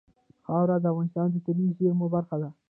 خاوره د افغانستان د طبیعي زیرمو برخه ده.